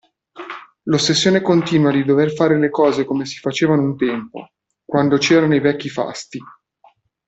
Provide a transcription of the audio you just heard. L'ossessione continua di dover fare le cose come si facevano un tempo, quando c'erano i vecchi fasti.